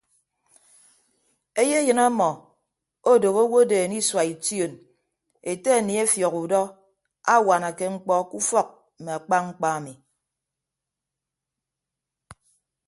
Eyeyịn ọmọ odooho owodeen isua ition ete aniefiọk udọ awanake mkpọ ke ufọk mme akpa mkpa ami.